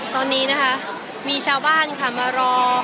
ตอนนี้นะคะมีชาวบ้านค่ะมารอ